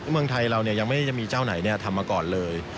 เมืองไทยเรายังไม่ได้จะมีเจ้าไหนทำมาก่อนเลย